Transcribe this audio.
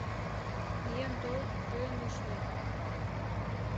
Миен тол, тыйын нӧшмет.